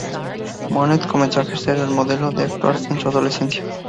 Monet comenzó a ejercer de modelo y actuar en su adolescencia.